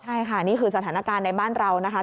ใช่ค่ะนี่คือสถานการณ์ในบ้านเรานะคะ